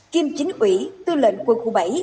kim chính ủy tư lệnh quân khu bảy